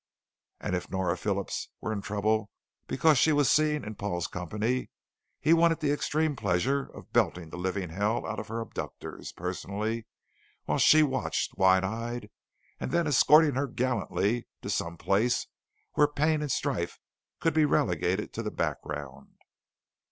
And if Nora Phillips were in trouble because she was seen in Paul's company, he wanted the extreme pleasure of belting the living hell out of her abductors personally, while she watched wide eyed, and then escorting her gallantly to some place where pain and strife could be relegated to the background.